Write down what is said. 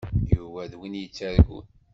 Yuba d win yettargun.